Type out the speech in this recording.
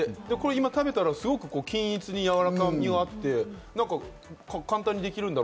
今、食べたら、すごく均一に柔らかみがあって、簡単にできるんだ